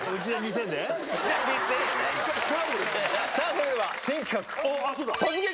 それでは新企画！